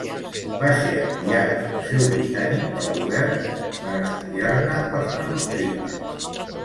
Va ser enviat al Museu Britànic pel govern espanyol per estudiar-ne els manuscrits.